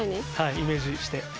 イメージして。